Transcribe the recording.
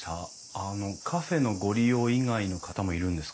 あのカフェのご利用以外の方もいるんですか？